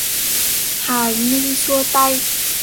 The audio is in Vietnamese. Hà Ni xua tay